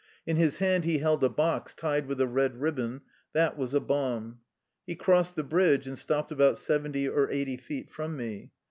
In Ms hand he held a box tied with a red ribbon: that was a bomb. He crossed the bridge, and stopped about seventy or eighty feet from me.